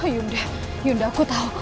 yunda yunda aku tahu